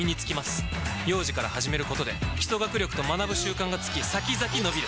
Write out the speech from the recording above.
幼児から始めることで基礎学力と学ぶ習慣がつき先々のびる！